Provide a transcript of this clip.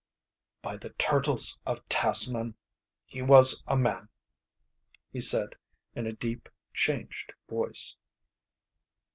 "By the turtles of Tasman, he was a man," he said, in a deep, changed voice.